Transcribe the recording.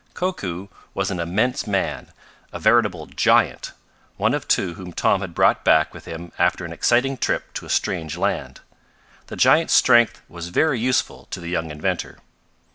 Koku was an immense man, a veritable giant, one of two whom Tom had brought back with him after an exciting trip to a strange land. The giant's strength was very useful to the young inventor.